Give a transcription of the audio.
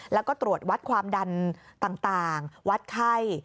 แล้วก็ตรวจวัดความดันต่างวัดไข้